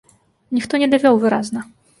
Ніхто не давёў выразна.